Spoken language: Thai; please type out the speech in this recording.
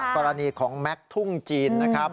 กรณีของแม็กซ์ทุ่งจีนนะครับ